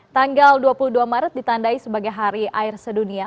tanggal dua puluh dua maret ditandai sebagai hari air sedunia